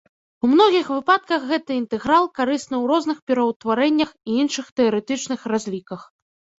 У многіх выпадках гэты інтэграл карысны ў розных пераўтварэннях і іншых тэарэтычных разліках.